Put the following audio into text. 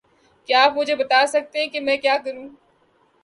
کیا آپ مجھے بتا سکتے ہے کہ میں اب کیا کروں؟